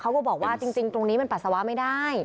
ก็บอกว่าจริงตรงนี้มันปัสสาวะไม่ได้